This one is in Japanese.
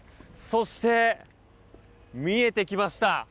そして、見えてきました。